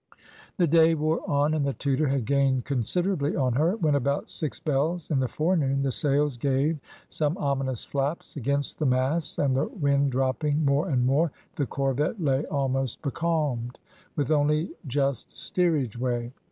The day wore on, and the Tudor had gained considerably on her, when about six bells in the forenoon the sails gave some ominous flaps against the masts, and the wind dropping more and more, the corvette lay almost becalmed, with only just steerage way.